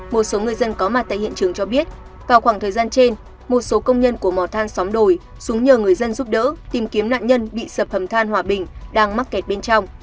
một số người dân có mặt tại hiện trường cho biết vào khoảng thời gian trên một số công nhân của mỏ than xóm đồi xuống nhờ người dân giúp đỡ tìm kiếm nạn nhân bị sập hầm than hòa bình đang mắc kẹt bên trong